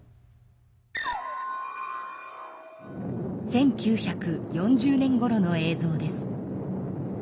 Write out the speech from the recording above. １９４０年ごろの映像です。